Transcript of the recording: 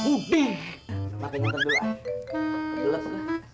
pake ganteng dulu ah